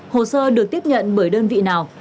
hồ sơ được tiếp nhận bởi đơn vị nào